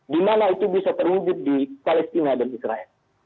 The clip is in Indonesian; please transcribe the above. di mana itu bisa terwujud di palestina dan israel